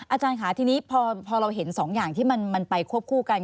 อาจารย์ค่ะทีนี้พอเราเห็นสองอย่างที่มันไปควบคู่กัน